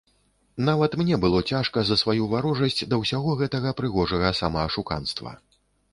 Нават мне было цяжка за сваю варожасць да ўсяго гэтага прыгожага самаашуканства.